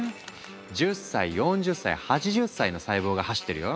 １０歳４０歳８０歳の細胞が走ってるよ。